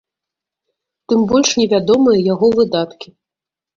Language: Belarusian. Тым больш невядомыя яго выдаткі.